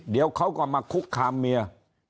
เดี๋ยวเขาก็มาคุกคามเมีย